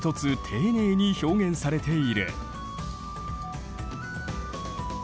丁寧に表現されている。